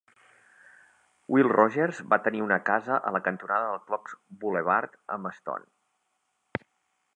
Will Rogers va tenir una casa a la cantonada de Clocks Boulevard amb Stone.